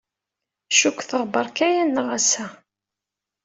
Cukkteɣ beṛka-aneɣ ass-a.